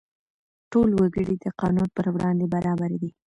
ټول وګړي د قانون پر وړاندې برابر دي.